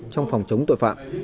trong phòng chống tội phạm